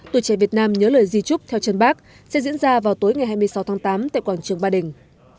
tuổi trẻ việt nam nhớ lời di trúc theo chân bác sẽ diễn ra vào tối ngày hai mươi sáu tháng tám tại quảng trường ba đình